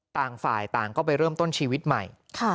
ต่างฝ่ายต่างก็ไปเริ่มต้นชีวิตใหม่